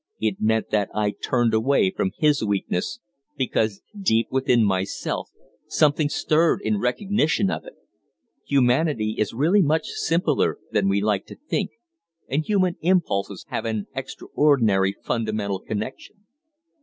It meant that I turned away from his weakness because deep within myself something stirred in recognition of it. Humanity is really much simpler than we like to think, and human impulses have an extraordinary fundamental connection.